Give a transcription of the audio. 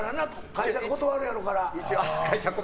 会社は断るやろうから。